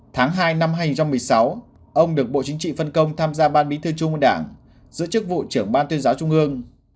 tháng hai năm hai nghìn một mươi sáu ông được bộ chính trị phân công tham gia ban bí thư trung ương đảng giữ chức vụ trưởng ban tuyên giáo trung ương